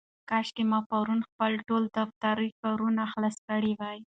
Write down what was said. کاشکې ما پرون خپل ټول دفترې کارونه خلاص کړي وای.